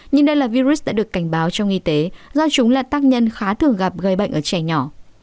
nhưng đây là virus đã được cảnh báo trong y tế do chúng là tác nhân khá thường gặp gây bệnh ở trẻ nhỏ